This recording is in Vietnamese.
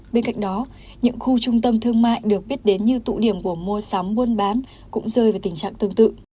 bên cạnh đó những khu trung tâm thương mại được biết đến như tụ điểm của mua sắm buôn bán cũng rơi vào tình trạng tương tự